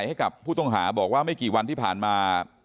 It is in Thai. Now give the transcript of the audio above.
ให้กับผู้ต้องหาบอกว่าไม่กี่วันที่ผ่านมา